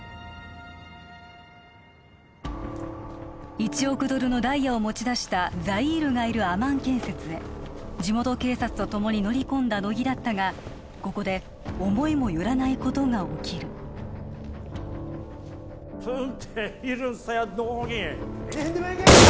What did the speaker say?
１億ドルのダイヤを持ち出したザイールがいるアマン建設へ地元警察とともに乗り込んだ乃木だったがここで思いもよらないことが起きる走れ！